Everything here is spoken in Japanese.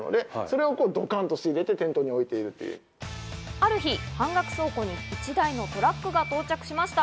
ある日、半額倉庫に１台のトラックが到着しました。